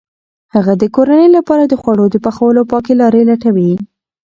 هغه د کورنۍ لپاره د خوړو د پخولو پاکې لارې لټوي.